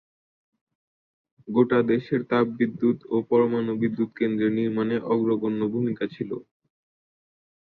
গোটা দেশের তাপবিদ্যুৎ ও পরমাণু বিদ্যুৎ কেন্দ্রের নির্মাণে অগ্রগণ্য ভূমিকা ছিল।